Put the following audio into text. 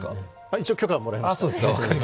一応、許可はもらいました。